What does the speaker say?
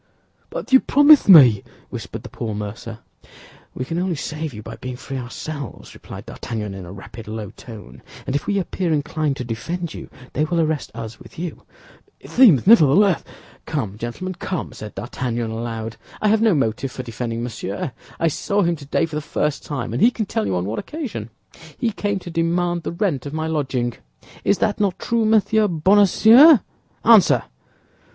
"But you promised me—" whispered the poor mercer. "We can only save you by being free ourselves," replied D'Artagnan, in a rapid, low tone; "and if we appear inclined to defend you, they will arrest us with you." "It seems, nevertheless—" "Come, gentlemen, come!" said D'Artagnan, aloud; "I have no motive for defending Monsieur. I saw him today for the first time, and he can tell you on what occasion; he came to demand the rent of my lodging. Is that not true, Monsieur Bonacieux? Answer!"